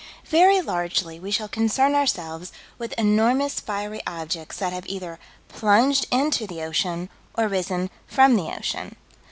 Very largely we shall concern ourselves with enormous fiery objects that have either plunged into the ocean or risen from the ocean.